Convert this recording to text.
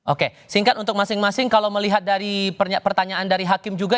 oke singkat untuk masing masing kalau melihat dari pertanyaan dari hakim juga